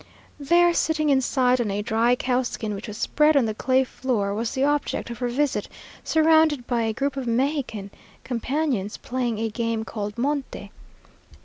There, sitting inside on a dry cow skin which was spread on the clay floor, was the object of her visit, surrounded by a group of Mexican companions, playing a game called monte.